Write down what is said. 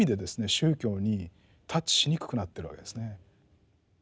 宗教にタッチしにくくなってるわけですね。